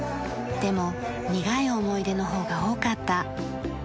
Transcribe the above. でも苦い思い出のほうが多かった。